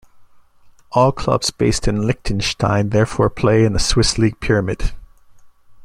All clubs based in Liechtenstein therefore play in the Swiss league pyramid.